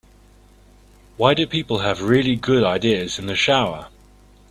Why do people have really good ideas in the shower?